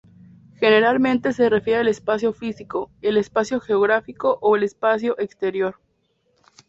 Generalmente se refiere al espacio físico, el espacio geográfico o el espacio exterior.